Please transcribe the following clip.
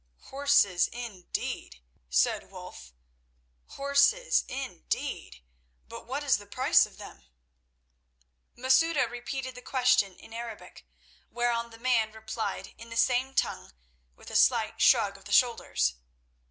"Horses indeed!" said Wulf. "Horses indeed! But what is the price of them?" Masouda repeated the question in Arabic, whereon the man replied in the same tongue with a slight shrug of the shoulders.